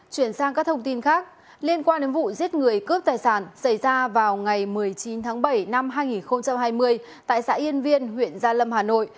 chuyển sang các thông tin khác liên quan đến vụ giết người cướp tài sản xảy ra vào ngày một mươi chín tháng bảy năm hai nghìn hai mươi tại xã yên viên huyện gia lâm hà nội